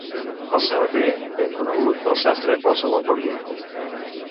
El sabater, ben conegut; el sastre, qualsevol perdut.